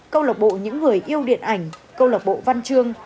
câu lạc bộ những người yêu điện ảnh câu lạc bộ văn chương